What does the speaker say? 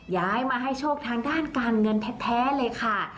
ย้ายมาให้โชคทางด้านการเงินแท้เลยค่ะ